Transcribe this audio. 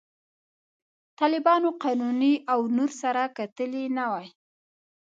طالبانو، قانوني او نور سره کتلي نه وای.